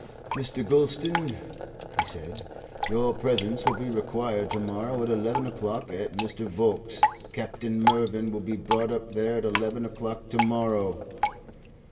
"Mr. Gulston," he said, "your presence will be required to morrow at eleven o'clock at Mr. Volkes's. Captain Mervyn will be brought up there at eleven o'clock to morrow."